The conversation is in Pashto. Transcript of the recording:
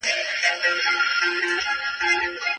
لوستې مور د ماشوم انرژي ساتي.